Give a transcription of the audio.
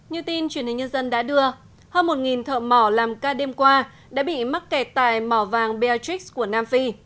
như tin truyền hình nhân dân đã đưa hơn một thợ mỏ làm ca đêm qua đã bị mắc kẹt tại mỏ vàng beatrix của nam phi